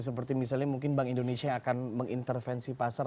seperti misalnya mungkin bank indonesia yang akan mengintervensi pasar